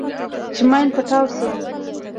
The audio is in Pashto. چې ماين پټاو سو.